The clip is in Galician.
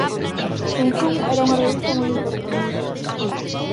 Zunzún era unha revista moi importante.